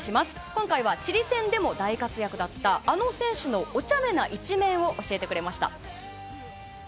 今回はチリ戦でも大活躍だったあの選手のおちゃめな一面を教えてくれました。